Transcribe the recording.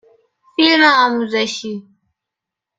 فیلم آموزشی